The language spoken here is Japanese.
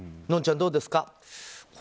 のんちゃん、どうですか。